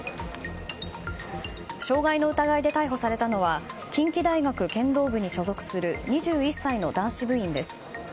傷害の疑いで逮捕されたのは近畿大学剣道部に所属する２１歳の男子部員です。